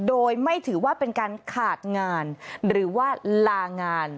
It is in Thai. โดยไม่ถือว่าเป็นการขาดงานหรือว่าลางาน